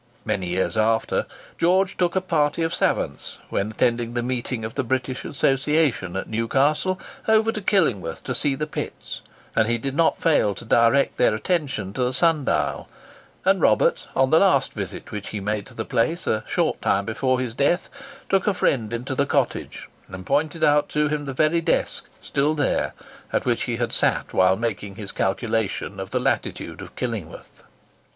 Many years after, George took a party of savans, when attending the meeting of the British Association at Newcastle, over to Killingworth to see the pits, and he did not fail to direct their attention to the sun dial; and Robert, on the last visit which he made to the place, a short time before his death, took a friend into the cottage, and pointed out to him the very desk, still there, at which he had sat while making his calculations of the latitude of Killingworth.